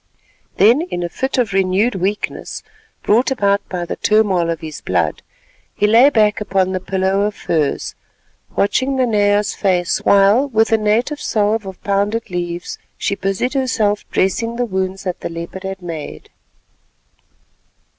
Then, in a fit of renewed weakness, brought about by the turmoil of his blood, he lay back upon the pillow of furs, watching Nanea's face while with a native salve of pounded leaves she busied herself dressing the wounds that the leopard had made.